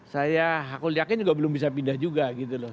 saya aku yakin juga belum bisa pindah juga gitu loh